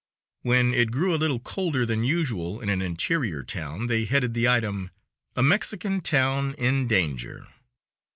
When it grew a little colder than usual in an interior town, they headed the item: "A Mexican Town in Danger."